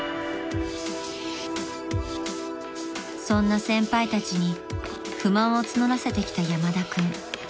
［そんな先輩たちに不満を募らせてきた山田君］